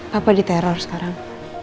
papa diteror sekarang